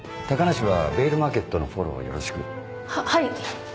高梨はヴェールマーケットのフォローをよろしく。ははい。